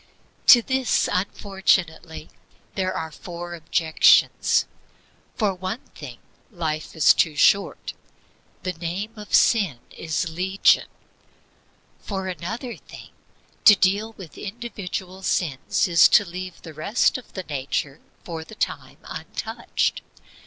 To this, unfortunately, there are four objections: For one thing, life is too short; the name of sin is legion. For another thing, to deal with individual sins is to leave the rest of the nature for the time untouched.